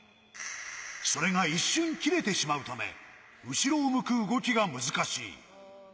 それが一瞬切れてしまうため、後ろを向く動きが難しい。